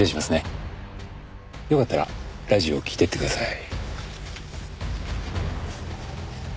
よかったらラジオ聴いてってください。